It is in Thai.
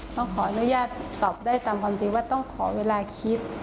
ขออนุญาตตอบได้ตามความจริงว่าต้องขอเวลาคิด